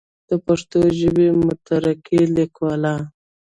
دَ پښتو ژبې مترقي ليکوال